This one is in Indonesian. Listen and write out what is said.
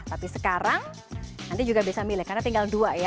tapi sekarang nanti juga bisa milih karena tinggal dua ya